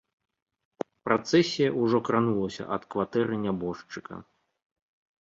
Працэсія ўжо кранулася ад кватэры нябожчыка.